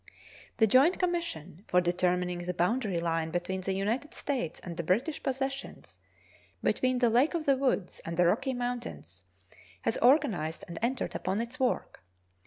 The joint commission for determining the boundary line between the United States and the British possessions between the Lake of the Woods and the Rocky Mountains has organized and entered upon its work.